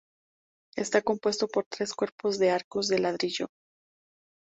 Está compuesto por tres cuerpos de arcos de ladrillo.